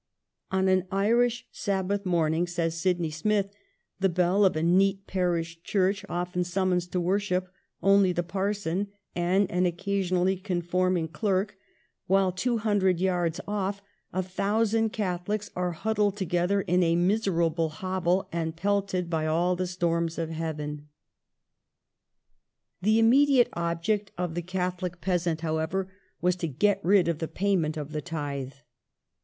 ^On an Irish Sabbath morning," says Sidney Smith,^ " the bell of a neat Parish Church often summons to woi*ship only the parson and an occasionally conforming clerk, while 200 yards off, a thousand Catholics are huddled together in a miserable hovel, and pelted by all the storms of Heaven." The immediate object of the Catholic peasant, however, was to get rid of the payment of " Tithe